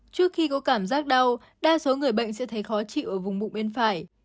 trước khi có cảm giác đau đa số người bệnh sẽ thấy khó chịu ở vùng bụng bên phải